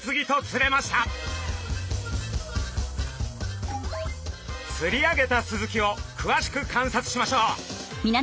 釣り上げたスズキをくわしく観察しましょう！